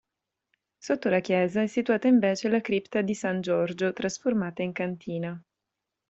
Sotto la chiesa è situata invece la cripta di San Giorgio, trasformata in cantina.